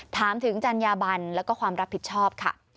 ถามถึงจัญญาบันแล้วก็ความรับผิดชอบค่ะ